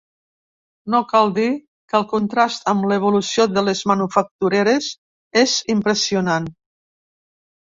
No cal dir que el contrast amb l’evolució de les manufactureres és impressionant.